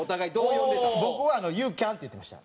僕はユーキャンって言ってました。